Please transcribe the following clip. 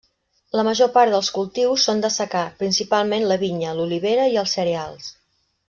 La major part dels cultius són de secà, principalment la vinya, l'olivera i els cereals.